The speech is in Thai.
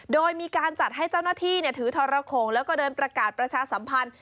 โดยมีการจัดให้เจ้าหน้าที่ถือทรโขงแล้วก็เดินประกาศประชาสัมพันธ์